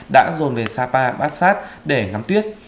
đã dồn về sapa bát sát để ngắm tuyết